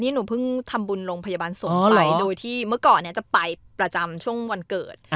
หนูเพิ่งทำบุญโรงพยาบาลสงฆ์ไปโดยที่เมื่อก่อนจะไปประจำช่วงวันเกิด